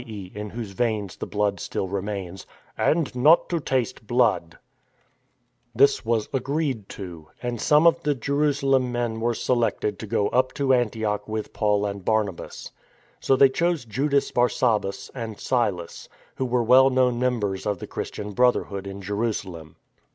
e. in whose veins the blood still remains), and not to taste blood." 162 THE FORWARD TREAD This was agreed to, and some of the Jerusalem men were selected to go up to Antioch with Paul and Barnabas. So they chose Judas Bar Sabbas and Silas, who were well known members of the Christian Brotherhood in Jerusalem.